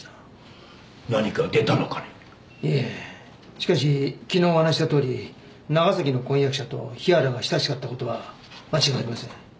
しかし昨日お話ししたとおり長崎の婚約者と日原が親しかった事は間違いありません。